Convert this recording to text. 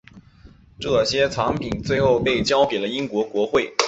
这些藏品最后被交给了英国国会。